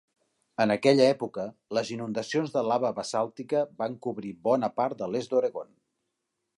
En aquella època, les inundacions de lava basàltica van cobrir bona part de l'est d'Oregon.